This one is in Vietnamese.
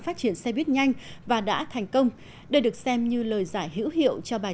phát triển xe buýt nhanh và đã thành công đây được xem như lời giải hữu hiệu cho bài